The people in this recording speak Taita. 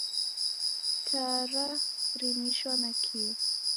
Taa rarimishwa nakio.